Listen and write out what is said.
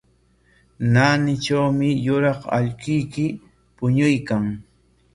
Naanitrawmi yuraq allquyki puñuykan.